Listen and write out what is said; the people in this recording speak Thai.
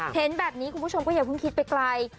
เห็นแบบนี้คุณผู้ชมก็อย่าเพิ่งคิดไปไกล